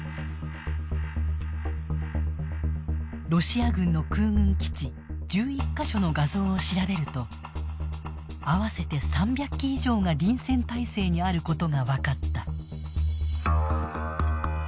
ロシア軍の空軍基地１１か所の画像を調べると合わせて３００機以上が臨戦態勢にあることが分かった。